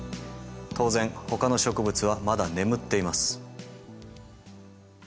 当然ほかの植物はまだ眠っています。